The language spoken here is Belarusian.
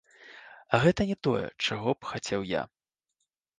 А гэта не тое, чаго б я хацеў.